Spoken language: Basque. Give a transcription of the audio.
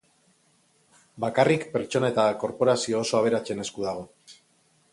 Bakarrik pertsona eta korporazio oso aberatsen esku dago.